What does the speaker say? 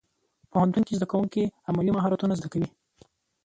پوهنتون کې زدهکوونکي عملي مهارتونه زده کوي.